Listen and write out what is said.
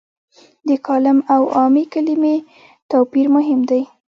د کالم او عامې لیکنې توپیر مهم دی.